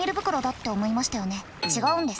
違うんです。